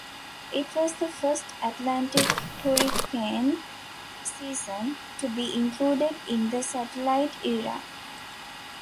It was the first Atlantic hurricane season to be included in the satellite era.